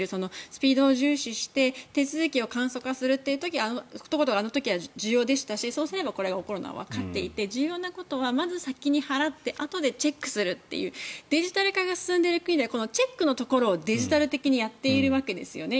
スピードを重視して手続きを簡素化するというのがあの時は重要でしたしそうなればこういうことが起こるのはわかりますし重要なことはまず先に払ってあとでチェックするというデジタル化が進んでいる国ではこのチェックのところをデジタル的にやっているわけですよね。